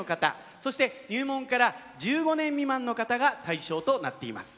そして入門から１５年未満の方が対象となっています。